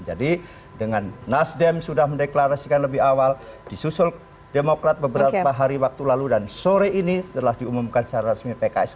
jadi dengan nasdem sudah mendeklarasikan lebih awal disusul demokrat beberapa hari waktu lalu dan sore ini telah diumumkan secara resmi pks